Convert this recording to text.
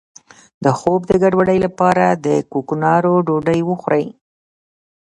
د خوب د ګډوډۍ لپاره د کوکنارو ډوډۍ وخورئ